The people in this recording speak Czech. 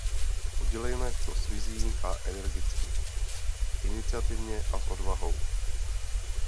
Udělejme to s vizí a energicky, iniciativně a s odvahou.